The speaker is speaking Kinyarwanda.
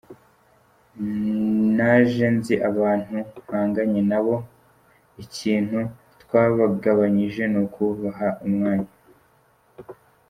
Naje nzi abantu mpanganye nabo, ikintu twagabanyije ni ukubaha umwanya.